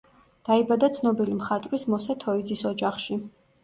დაიბადა ცნობილი მხატვრის მოსე თოიძის ოჯახში.